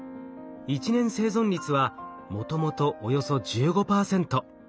１年生存率はもともとおよそ１５％。